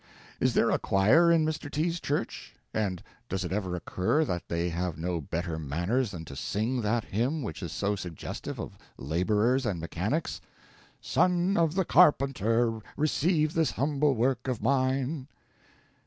Is there a choir in Mr. T.'s church? And does it ever occur that they have no better manners than to sing that hymn which is so suggestive of labourers and mechanics: "Son of the Carpenter! receive This humble work of mine?"